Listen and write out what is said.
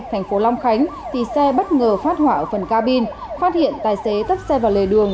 thành phố long khánh thì xe bất ngờ phát hỏa ở phần cabin phát hiện tài xế tắt xe vào lề đường